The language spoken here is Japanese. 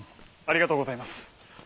ありがとうございます。